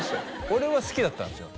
俺は好きだったんですよ